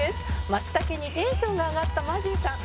「松茸にテンションが上がったマジーさん」